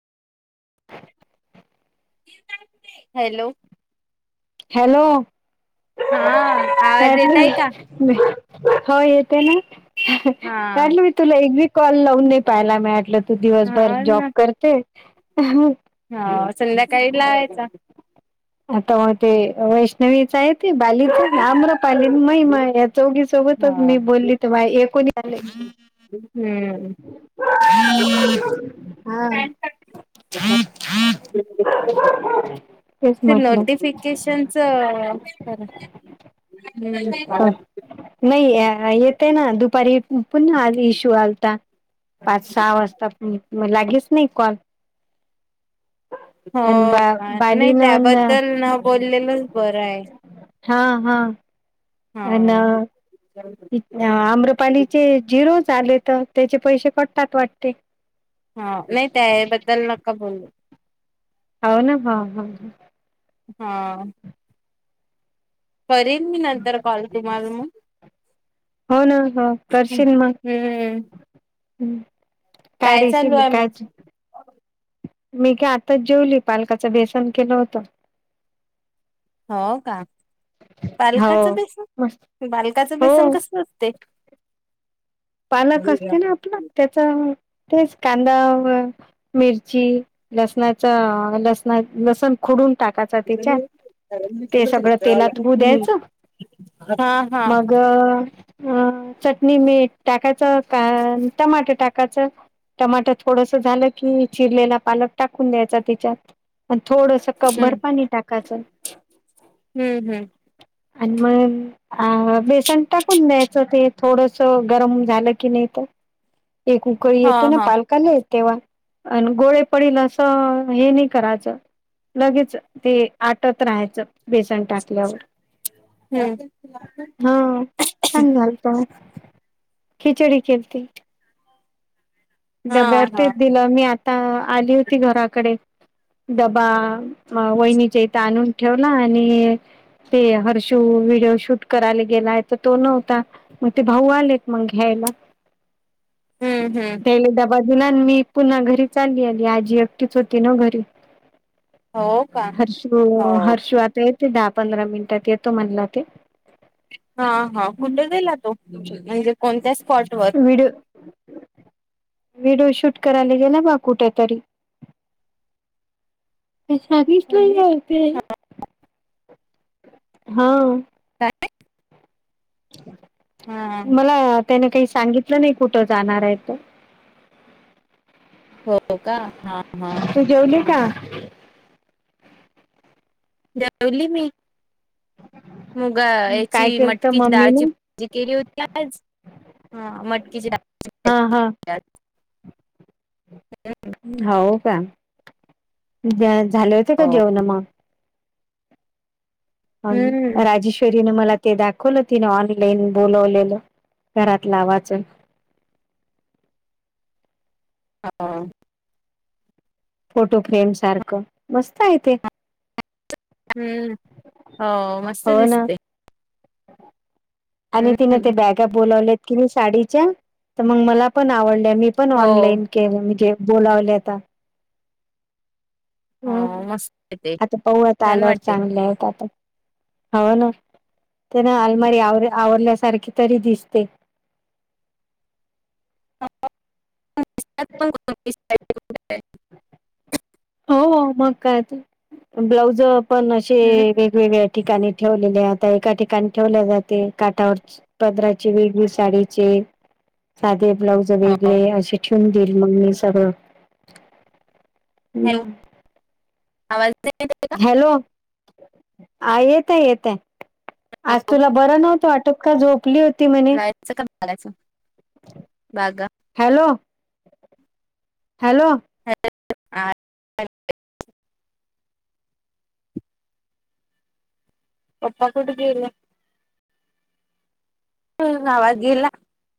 Hello! Hello! हा आवाज येतय का [unintelligible] हो येते ना हा कालं [unintelligible] तुला एक बी कॉल लावून नाही पाहिला, मी म्हंटल तू दिवसभर हो जॉब करते. हा संध्याकाळी लावायचा [unintelligible] आता मग ते वैष्णवीच आहे ते बाली आम्रपाली, महिमा या हा चौघीसोबतच मी बोलली तेव्हा एकूणी झाले. हम्म. हा. तेच ते म्हटलं नोटिफिकेशनच [unintelligible] हम्म [unintelligible] नाही येते ना. दुपारी पण हा इशू आलता. पाच सहा वाजता मग लागेच नाही कॉल. हो आणि बा का? नाही बालीन त्याबद्दल न बोललेलंच बरं आहे. हा हा. हम्म. आणि [unintelligible] आम्रपालीचे जिरो झालेत त्याचे पैसे कटतात वाटते. हा नाही त्याबद्दल नका बोलू. हो ना. हो हो हो. हा. करेन मी नंतर कॉल तुम्हाला मग. हो ना हो करशील मग. हम्म हम्म. चालू आहे मग काय [unintelligible] मी काय आताच जेवली पालकाचं बेसन केलं होतं. हो का? पालकाचं हो बेसन, मस्त पालकाचं बेसन हो कसं असते? पालक असते ना आपला त्याचा तेच कांदा मिरची लसणाच लसण लसण खोडून टाकायचं त्याच्यात. ते सगळं तेलात होऊ द्यायचं हा हा मग अ चटणी, मीठ टाकायचं का, टमाट टाकायचं? टमाटर थोडंसं झालं की, चिरलेला पालक टाकून द्यायचा त्याच्यात. पण थोडंस कपभर हम्म पाणी टाकायचं. हम्म हम्म आणि मग अ बेसन टाकून द्यायचं ते थोडंस. गरम झाली की नाही तर एक उकळी हा येते ना, हा पाल कले तेव्हा अ गोळे पडल असं हे नाही करायचं [unintelligible] लगेच ते आटत रहायचं. बेसन टाकल्यावर हम्म हा. छान झालतं खिचडी केलती. हा हा डब्यावरतीच दिलं मी आता आली होती घराकडे. डबा वहिणीचे इथं आणून ठेवला आणि ते हर्षू व्हिडिओ शूट करायला गेलाय तर तो नव्हता. मोठे भाऊ आलेत मग घ्यायला. हम्म हम्म. त्याले डबा दिला आणि मी पुन्हा घरी चालली आली, आजी एकटीच होती नव्हं घरी. हो का हर्षु हो हर्षु आता येतोय, दहा पंधरा मिनिटात येतो म्हणला ते. हा हा कुठे गेला तो, म्हणजे कोणत्या स्पॉट वर? व्हिडिओ [inaudible] व्हिडिओ शूट करायला गेलं बा कुठे तरी. ती साडीच नाही घालते. हाव. काय? मला त्याने काही सांगितलं नाही, कुठं जाणार आहे तर. हो का हां हां. तू जेवली का? जेवली मी. मुगा याची काय केलंत मटकीची मम्मीने डाळची भजी केली होती आज. हा मटकीच्या हा हा. हव का, त्या झाले होते का जेवणं मग? हम्म आणि राजेश्वरीने मला ते दाखवलं तिने ऑनलाईन बोलवलेलं घरात लावायचं. हाव. फोटो फ्रेमसारखं मस्त आहे ते. अन हो मस्त हो ना दिसते. आणि तिनं ते हम्म बॅगा बोलावलेत की नाही साडीच्या. तर मग मला पण आवडले, मी पण हो ऑनलाईन केले म्हणजे बोलावले आता. हो हं मस्त आहे ते आता पाहू आता छान आल्यावर वाटते. चांगले आहेत आता. हाव ना. ते ना अलमारी आवर आवरल्यासारखी तरी दिसते. [unintelligible] हो हो मग काय तर, ब्लाउज पण असे ते हम्म वेगवेगळ्या ठिकाणी ठेवलेल्या, आता एका ठिकाणी ठेवल्या जाते काठावरच. पदराची वेगळी साडीचे. साधे ब्लाऊज हो वेगळे असे ठेवून देईल मग मी सगळं. हॅलो. आवाज नाही येत आहे. का? हॅलो, आ येतय येतय. आज हॅलो, तुला बरं नव्हत वाटत का, झोपली होती म्हणे? [unintelligible] बॅगा. हॅलो. हॅलो. [inaudible] पप्पा कुठे गेले? [unintelligible] आवाज गेला.